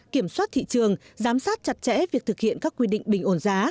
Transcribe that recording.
kiểm soát thị trường giám sát chặt chẽ việc thực hiện các quy định bình ổn giá